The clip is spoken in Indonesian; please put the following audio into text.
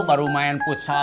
baru main putsal